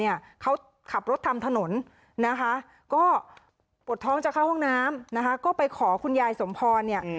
นี่ก็โปรดท้องออกเป็นจะเข้าห้องน้ำนะฮะก็ไปขอคุณยายสมพีเนี่ยอืม